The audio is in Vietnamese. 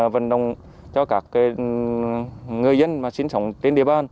vận động cho các người dân sinh sống trên địa bàn